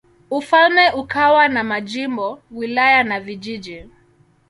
Ufalme ukawa na majimbo, wilaya na vijiji.